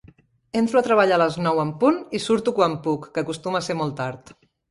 Entro a treballar a les nou en punt i surto quan puc, que acostuma a ser molt tard.